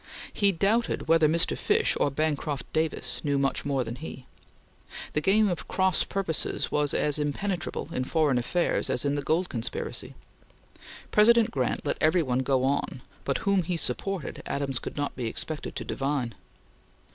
He doubted whether Mr. Fish or Bancroft Davis knew much more than he. The game of cross purposes was as impenetrable in Foreign Affairs as in the Gold Conspiracy. President Grant let every one go on, but whom he supported, Adams could not be expected to divine.